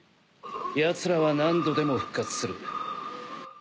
ヤツらは何度でも復活する。